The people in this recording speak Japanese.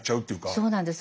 そうなんです。